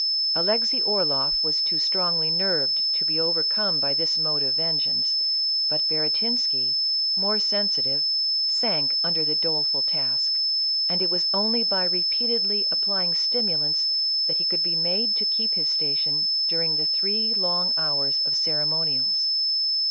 Alexey Orloff was too strongly nerved to be overcome by this mode of vengeance ; but Baratinsky, more sensitive, sank under the doleful task, and it was only by repeatedly applying stimu lants, that he could be made to keep his station during the three long hours of ceremonials.